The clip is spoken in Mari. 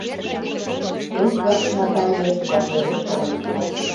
Эдвард Натальыш касвелеш толын шуо.